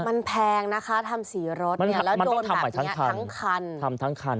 มันต้องทำใหม่ทั้งคัน